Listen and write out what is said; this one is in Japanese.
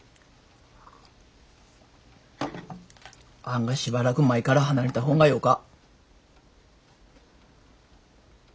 あがしばらく舞から離れた方がよか。